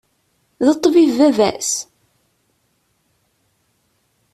D ṭṭbib baba-s?